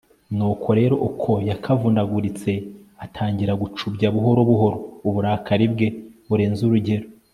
nuko rero, uko yakavunaguritse atangira gucubya buhoro buhoro uburakari bwe burenze urugero